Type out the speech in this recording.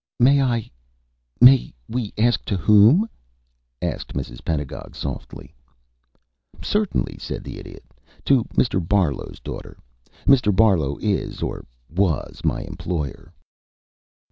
"May I may we ask to whom?" asked Mrs. Pedagog, softly. "Certainly," said the Idiot. "To Mr. Barlow's daughter. Mr. Barlow is or was my employer."